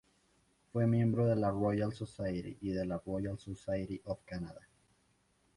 Fue miembro de la "Royal Society" y de la "Royal Society of Canada".